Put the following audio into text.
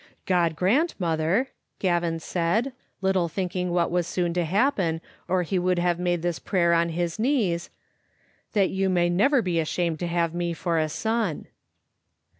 " God grant, mother," Gavin said, little thinking what was soon to happen, or he would have made this prayer on his knees, " that yoti may never be ashamed to have me for a son."